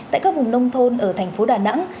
tại các vùng nông thôn ở thành phố đà nẵng